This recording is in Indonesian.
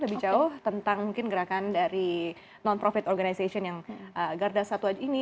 lebih jauh tentang mungkin gerakan dari non profit organization yang garda satwa ini